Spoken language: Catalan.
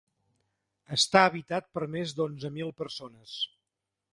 Està habitat per més d'onze mil persones.